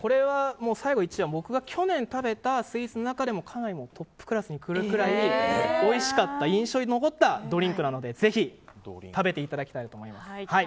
１位は僕が去年食べたスイーツの中でもかなりのトップクラスにくるくらいおいしかった印象に残ったドリンクなのでぜひ、食べていただきたいと思います。